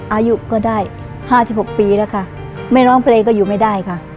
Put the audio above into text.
อายุก็ได้๕๖ปีแล้วค่ะไม่ร้องเพลงก็อยู่ไม่ได้ค่ะ